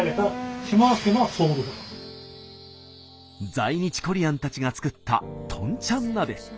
在日コリアンたちが作ったとんちゃん鍋。